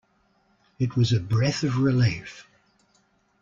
It was a breath of relief.